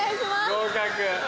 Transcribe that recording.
合格。